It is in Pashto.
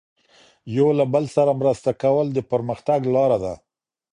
یو له بل سره مرسته کول د پرمختګ لاره ده.